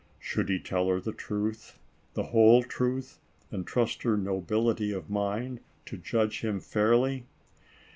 Should he tell her the truth, the whole truth, and trust her nobility of mind to judge him fairly?